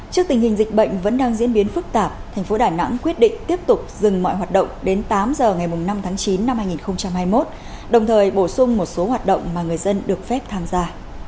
trước tình hình dịch bệnh vẫn đang diễn biến phức tạp thành phố đà nẵng quyết định tiếp tục dừng mọi hoạt động đến tám giờ ngày năm tháng chín năm hai nghìn hai mươi một đồng thời bổ sung một số hoạt động mà người dân được phép tham gia